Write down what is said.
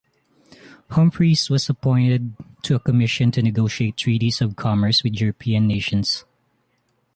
Humphreys was appointed to a commission to negotiate treaties of commerce with European nations.